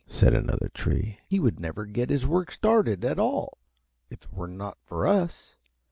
said another Tree. "He would never get his work started at all if it were not for us.